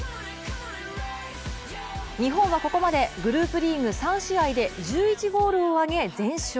日本はここまでグループリーグ３試合で１１ゴールをあげ、全勝。